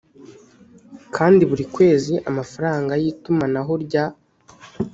kandi buri kwezi amafaranga y itumanaho rya